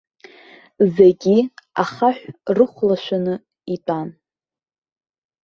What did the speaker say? Зегьы ахаҳә рыхәлашәаны итәан.